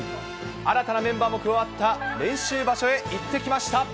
新たなメンバーも加わった練習場所へ、行ってきました。